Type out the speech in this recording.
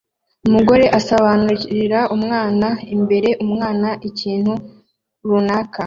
Umugore asobanurira umwana imbere umwana ikintu runaka